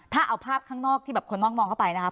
ถ้าเอาภาพข้างนอกที่แบบคนนอกมองเข้าไปนะครับ